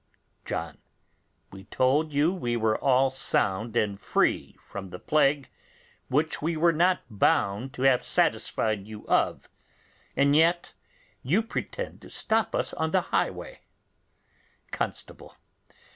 John. We told you we were all sound and free from the plague, which we were not bound to have satisfied you of, and yet you pretend to stop us on the highway. Constable.